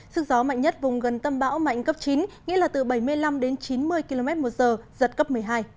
sức gió mạnh nhất vùng gần tâm bão mạnh cấp chín nghĩa là từ bảy mươi năm đến chín mươi km một giờ giật cấp một mươi hai